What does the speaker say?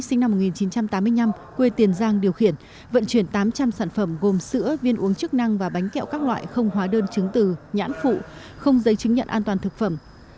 sinh năm một nghìn chín trăm tám mươi năm quê tiền giang điều khiển vận chuyển tám trăm linh sản phẩm gồm sữa viên uống chức năng và bánh kẹo các loại không hóa đơn chứng từ nhãn phụ không giấy chứng nhận an toàn thực phẩm